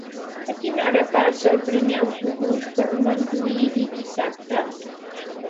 A quina hora passa el primer autobús per Montuïri dissabte?